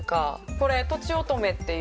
これとちおとめっていう。